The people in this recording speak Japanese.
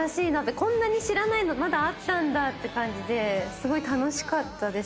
こんなに知らないのまだあったんだって感じですごい楽しかったです。